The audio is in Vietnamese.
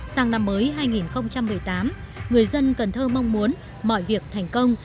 sang năm mới hai nghìn một mươi tám người dân cần thơ mong muốn mọi việc thành công